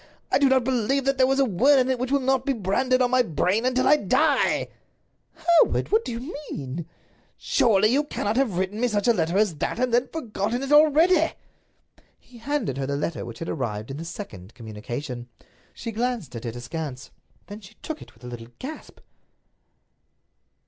I do not believe that there is a word in it which will not be branded on my brain until I die." "Hereward! What do you mean?" "Surely you cannot have written me such a letter as that, and then have forgotten it already?" He handed her the letter which had arrived in the second communication. She glanced at it, askance. Then she took it with a little gasp.